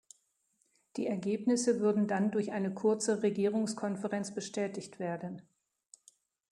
Die Ergebnisse würden dann durch eine kurze Regierungskonferenz bestätigt werden.